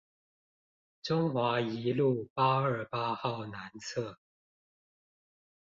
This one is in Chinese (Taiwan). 中華一路八二八號南側